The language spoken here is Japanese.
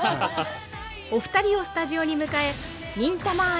お二人をスタジオに迎え「忍たま乱